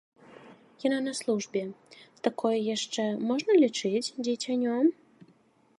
Яна на службе, такое яшчэ, можна лічыць, дзіцянё?